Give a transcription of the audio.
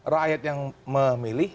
rakyat yang memilih